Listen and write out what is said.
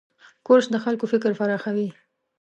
کورس د خلکو فکر پراخوي.